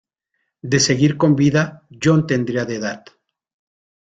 De seguir con vida, John tendría de edad.